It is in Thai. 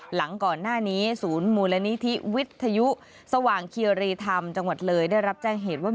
หลังก่อนหน้านี้ศูนย์มูลนิธิวิทยุสว่างเคียรีธรรมจังหวัดเลยได้รับแจ้งเหตุว่า